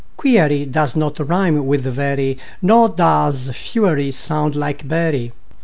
Query does not rime with very, Nor does fury sound like bury.